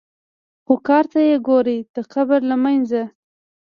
خو کار ته یې ګورې د قبر له منځه.